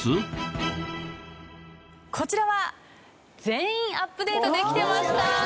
こちらは全員アップデートできていました。